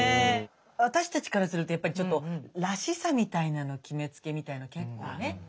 私たちからするとやっぱりちょっとらしさみたいなの決めつけみたいの結構ね。